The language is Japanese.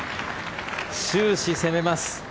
終始攻めます。